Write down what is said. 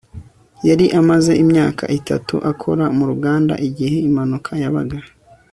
Yari amaze imyaka itatu akora mu ruganda igihe impanuka yabaga